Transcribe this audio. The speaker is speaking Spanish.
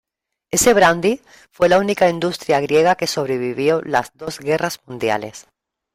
Ese brandy fue la única industria griega que sobrevivió las dos guerras mundiales.